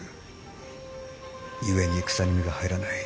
故に戦に身が入らない。